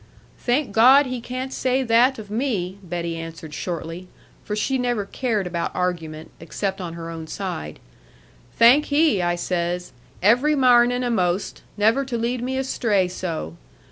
'Thank God he can't say that of me,' Betty answered shortly, for she never cared about argument, except on her own side; 'thank he, I says, every marning a'most, never to lead me astray so.